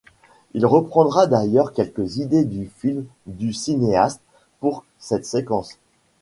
Il reprendra d'ailleurs quelques idées du film du cinéaste pour cette séquence.